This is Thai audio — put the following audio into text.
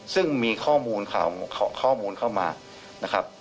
ซึ่งมีข้อมูลเข้ามา